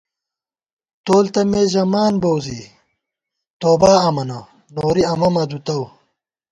تول تہ مے ژَمانبوؤ زی توبا امَنہ، نوری امہ مہ دُتَؤ